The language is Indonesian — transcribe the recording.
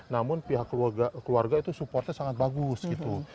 namun pihak keluarga itu supportnya sangat bagus gitu